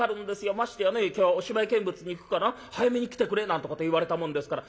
ましてやね『今日はお芝居見物に行くから早めに来てくれ』なんてこと言われたもんですから。